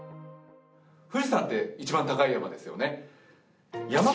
富士山って一番高い山ですよね。